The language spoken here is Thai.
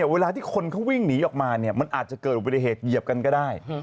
เวลาที่คนเขาวิ่งหนีออกมาเนี่ยมันอาจจะเกิดอุบัติเหตุเหยียบกันก็ได้